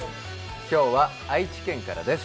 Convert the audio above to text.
今日は愛知県からです。